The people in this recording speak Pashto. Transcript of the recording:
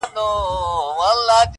• د شداد او د توبې یې سره څه..